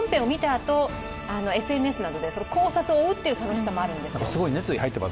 あとＳＮＳなどで、その考察を追うという楽しさもあるんですよ。